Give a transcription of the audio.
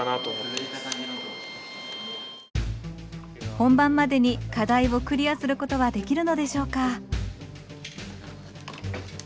本番までに課題をクリアすることはできるのでしょうか？